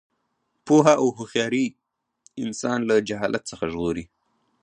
پوهه او هوښیاري انسان له جهالت څخه ژغوري.